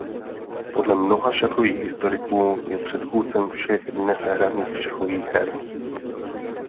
Podle mnoha šachových historiků je předchůdcem všech dnes hraných šachových her.